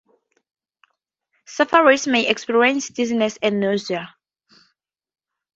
Sufferers may experience dizziness and nausea.